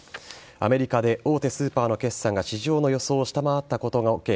アメリカで大手スーパーの決済が市場予想を下回ったことを受け